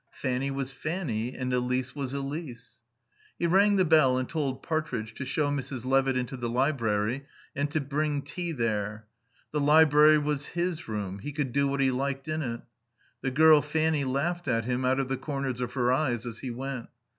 Fanny was Fanny and Elise was Elise. He rang the bell and told Partridge to show Mrs. Levitt into the library and to bring tea there. The library was his room. He could do what he liked in it. The girl Fanny laughed at him out of the corners of her eyes as he went.